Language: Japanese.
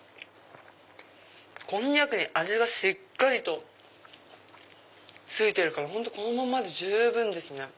こんにゃくに味がしっかりと付いてるからこのままで十分ですね。